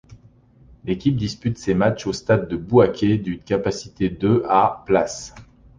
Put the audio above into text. L'équipe dispute ses matches au Stade de Bouaké d'une capacité de à places.